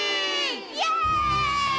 イエーイ！